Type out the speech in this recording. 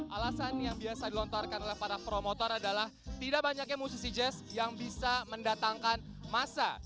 alasan yang biasa dilontarkan oleh para promotor adalah tidak banyaknya musisi jazz yang bisa mendatangkan masa